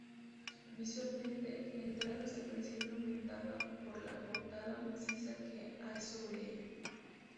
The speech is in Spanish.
Visualmente la entrada se percibe aumentada por la portada maciza que hay sobre ella.